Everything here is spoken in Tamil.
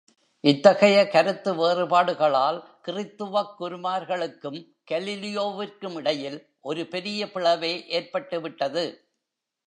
இத்தகைய கருத்து வேறுபாடுகளால் கிறித்துவக் குருமார்களுக்கும் கலீலியோவிற்கும் இடையில் ஒரு பெரிய பிளவே ஏற்பட்டு விட்டது.